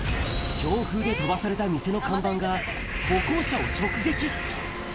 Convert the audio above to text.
強風で飛ばされた店の看板が、歩行者を直撃。